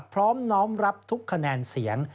พร้อมน้องรับทุกคะแนนเสียง